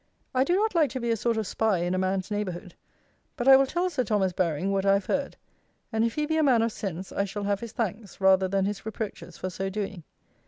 I do not like to be a sort of spy in a man's neighbourhood; but I will tell Sir Thomas Baring what I have heard; and if he be a man of sense I shall have his thanks, rather than his reproaches, for so doing.